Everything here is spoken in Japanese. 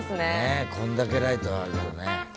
こんだけライトあるとね。